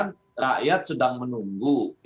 nah sebaliknya saya mau menjawab itu dengan mengatakan